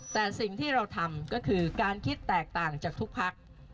แต่สิ่งที่เราทำก็คือการคิดแตกต่างจากทุกพัก